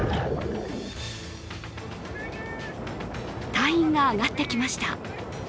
隊員が上がってきました。